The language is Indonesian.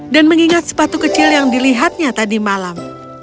dan mengingat sepatu kecil yang dilihatnya tadi malam